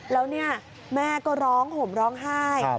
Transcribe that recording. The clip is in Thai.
แล้วเนี่ยแม่ก็ร้องห่มร้องไห้